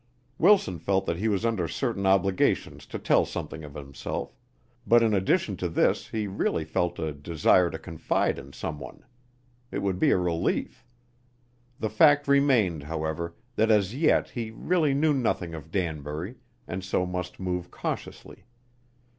Wilson felt that he was under certain obligations to tell something of himself, but in addition to this he really felt a desire to confide in someone. It would be a relief. The fact remained, however, that as yet he really knew nothing of Danbury and so must move cautiously.